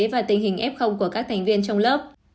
và tình hình f của các thành viên trong lớp